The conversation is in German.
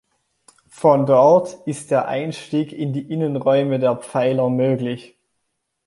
Von dort ist der Einstieg in die Innenräume der Pfeiler möglich.